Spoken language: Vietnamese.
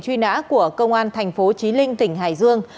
truy nã của công an thành phố trí linh tỉnh hải dương